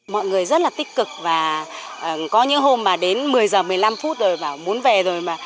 mọi người rất là tích cực và có những hôm mà đến một mươi giờ một mươi năm phút rồi bảo muốn về rồi mà